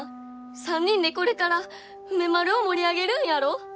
３人でこれから梅丸を盛り上げるんやろ！